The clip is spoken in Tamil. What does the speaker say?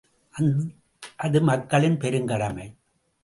அது மக்களின் பெருங்கடமை.